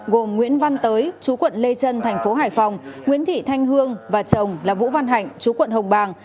gồm nguyễn văn tới chú quận lê trân thành phố hải phòng nguyễn thị thanh hương và chồng là vũ văn hạnh chú quận hồng bàng